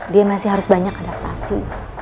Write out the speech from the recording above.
dia masih harus banyak adaptasi